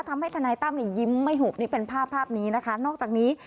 ทำให้ทนายตั้มนี่ยิ้มไม่หุบนี่เป็นภาพภาพนี้นะคะนอกจากนี้